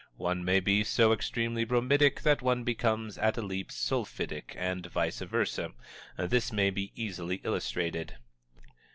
One may be so extremely bromidic that one becomes, at a leap, sulphitic, and vice versa. This may be easily illustrated.